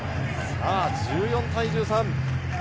１４対１３。